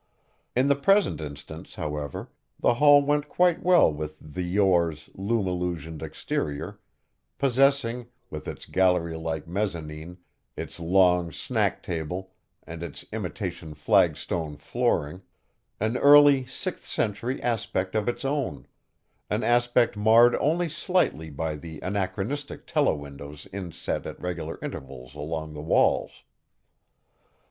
In the present instance, however, the hall went quite well with the Yore's lumillusioned exterior, possessing, with its gallery like mezzanine, its long snack table, and its imitation flagstone flooring, an early sixth century aspect of its own an aspect marred only slightly by the "anachronistic" telewindows inset at regular intervals along the walls.